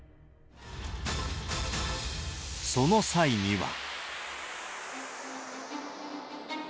その際には。